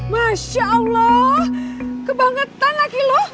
masya allah kebangetan laki lu